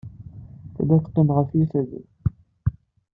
Tella teqqim ɣef yifadden.